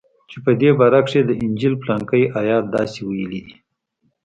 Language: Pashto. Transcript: چې په دې باره کښې د انجيل پلانکى ايت داسې ويلي دي.